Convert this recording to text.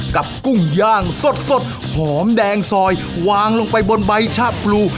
กุ้งย่างสดหอมแดงซอยวางลงไปบนใบชะปลู